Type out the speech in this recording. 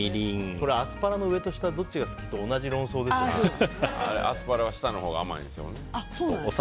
アスパラの上と下どっちが好きって言うのとアスパラは下のほうが甘いですよ。